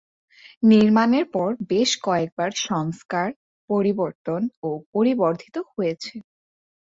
নির্মাণের পর বেশ কয়েকবার সংস্কার, পরিবর্তন ও পরিবর্ধিত হয়েছে।